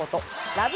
ラブ！！